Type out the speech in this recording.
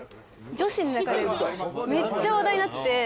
女子のなかではめっちゃ話題になってて。